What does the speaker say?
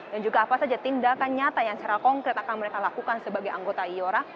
dan juga apa saja tindakan nyata yang secara konkret akan mereka lakukan sebagai anggota iora